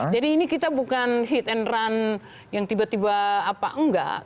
jadi ini kita bukan hit and run yang tiba tiba apa enggak